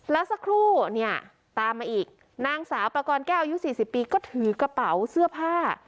แล้วสักครู่เนี่ยตามมาอีกนางสาวประกอบแก้วอายุ๔๐ปีก็ถือกระเป๋าเสื้อผ้า